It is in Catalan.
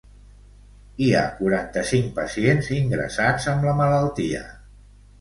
Hi ha quaranta-cinc pacients ingressats amb la malaltia.